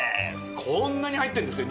こんなに入ってるんですよ